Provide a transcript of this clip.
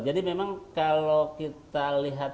jadi memang kalau kita lihat